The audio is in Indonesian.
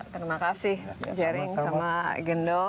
terima kasih jering sama gendo